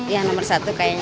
ya nomor satu kayaknya